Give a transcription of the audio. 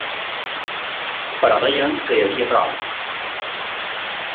Però deien que hi havia proves.